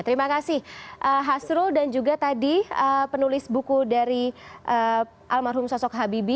terima kasih hasrul dan juga tadi penulis buku dari almarhum sosok habibie